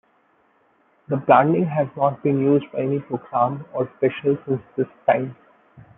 The branding has not been used by any program or special since this time.